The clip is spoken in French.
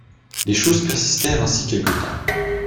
Les choses persistèrent ainsi quelque temps.